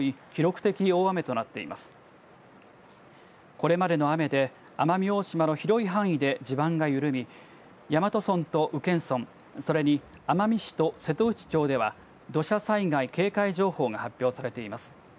これまでの雨で奄美大島の広い範囲で地盤が緩み、大和村と宇検村それに奄美市と瀬戸内町では土砂災害警戒情報が発表されています。